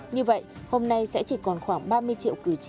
như vậy hôm nay sẽ chỉ còn khoảng ba mươi triệu quốc hội